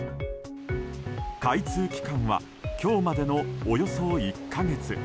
開通期間は今日までの、およそ１か月。